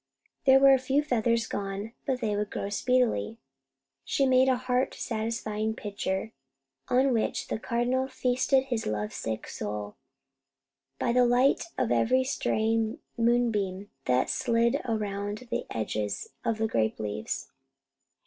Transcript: There were a few feathers gone; but they would grow speedily. She made a heart satisfying picture, on which the Cardinal feasted his love sick soul, by the light of every straying moonbeam that slid around the edges of the grape leaves.